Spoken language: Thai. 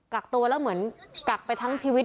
กักตัวแล้วเหมือนกักไปทั้งชีวิต